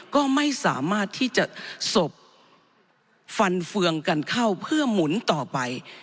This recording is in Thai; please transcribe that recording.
ก็ไม่สามารถที่จะสบฟันเฟืองกันเข้าเพื่อหมุนต่อไป